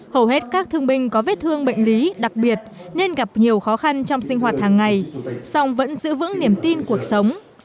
hầu hết các thương binh có vết thương bệnh lý đặc biệt nên gặp nhiều khó khăn trong sinh hoạt hàng ngày song vẫn giữ vững niềm tin cuộc sống